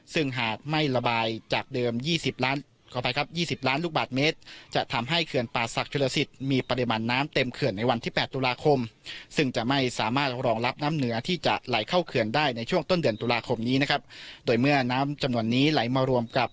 ซึ่งหากไม่ระบายจากเดิม๒๐ล้านลูกบาทเมตรจะทำให้เคือนป่าศักดิ์ชุลสิตมีปริมาณน้ำเต็มเคือนในวันที่๘ตุลาคม